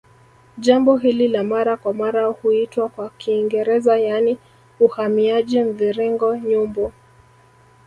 Jambo hili la mara kwa mara huitwa kwa Kiingereza yaani uhamiaji mviringo Nyumbu